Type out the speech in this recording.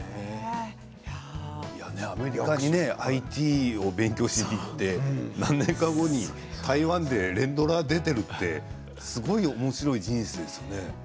アメリカにＩＴを勉強しに行って何年か後に台湾で連ドラに出ているってすごい、おもしろい人生ですね。